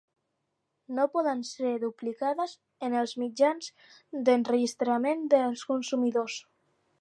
No poden ser duplicades en els mitjans d'enregistrament dels consumidors.